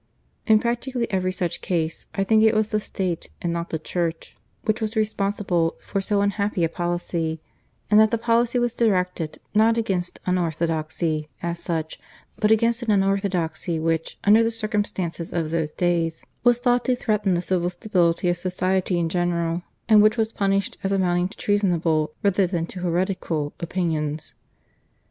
In practically every such case, I think, it was the State and not the Church which was responsible for so unhappy a policy; and that the policy was directed not against unorthodoxy, as such, but against an unorthodoxy which, under the circumstances of those days, was thought to threaten the civil stability of society in general, and which was punished as amounting to treasonable, rather than to heretical, opinions.